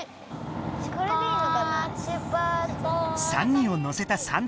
３人を乗せたさん